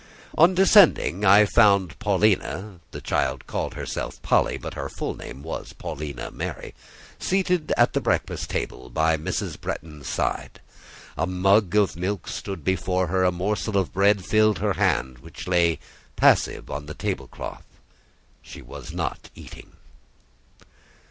On descending, I found Paulina (the child called herself Polly, but her full name was Paulina Mary) seated at the breakfast table, by Mrs. Bretton's side; a mug of milk stood before her, a morsel of bread filled her hand, which lay passive on the table cloth: she was not eating.